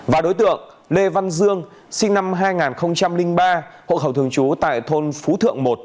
và đối tượng lê văn dương sinh năm hai nghìn ba hộ khẩu thường trú tại thôn phú thượng một